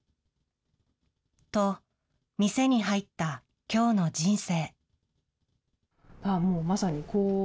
と店に入ったきょうの人生。